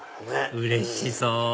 うれしそう！